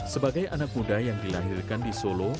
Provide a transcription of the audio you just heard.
sebagai anak muda yang dilahirkan di solo